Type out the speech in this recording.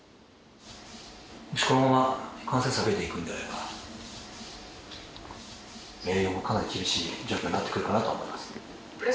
もしこのまま、感染者増えていくんであれば、営業もかなり厳しい状況になってくるかなと思います。